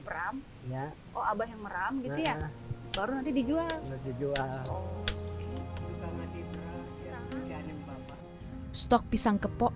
pak pak pak